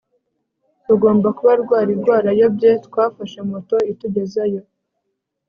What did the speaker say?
rugomba kuba rwari rwarayobyeTwafashe moto itugezayo